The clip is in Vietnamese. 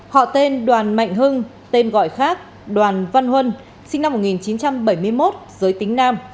họ tên đoàn mạnh hưng tên gọi khác đoàn văn huân sinh năm một nghìn chín trăm bảy mươi một giới tính nam